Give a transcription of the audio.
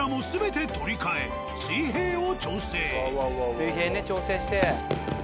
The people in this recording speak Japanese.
水平ね調整して。